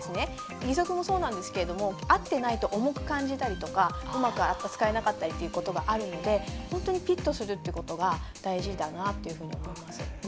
義足もそうなんですけど合ってないと重く感じたりとかうまく扱えなかったりということがあるので本当にフィットするということが大事だなと思います。